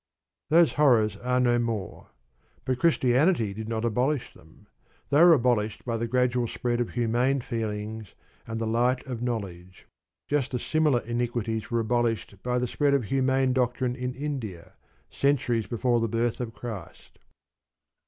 Those horrors are no more. But Christianity did not abolish them. They were abolished by the gradual spread of humane feelings and the light of knowledge; just as similar iniquities were abolished by the spread of humane doctrines in India, centuries before the birth of Christ.